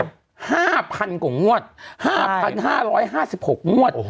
๕๐๐๐กว่างวด๕๕๖งวด